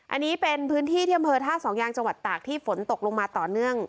อันนี้เป็นพื้นที่ที่อำเภอท่าสองยางจังหวัดตากที่ฝนตกลงมาต่อเนื่อง